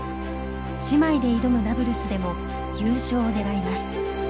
姉妹で挑むダブルスでも優勝を狙います。